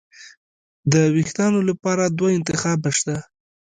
د وېښتانو لپاره دوه انتخابه شته.